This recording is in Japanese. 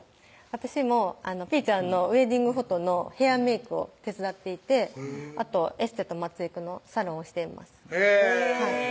私もぴーちゃんのウエディングフォトのヘアメークを手伝っていてあとエステとまつエクのサロンをしていますへぇ！